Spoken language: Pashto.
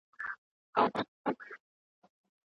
حضوري ټولګي زده کوونکو ته د بدن ژبه ښه وښوده.